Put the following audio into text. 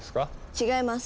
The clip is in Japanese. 違います。